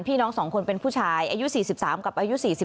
น้อง๒คนเป็นผู้ชายอายุ๔๓กับอายุ๔๓